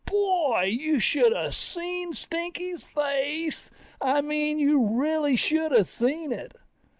Boy, you should of seen Stinky's face. I mean you really should of seen it.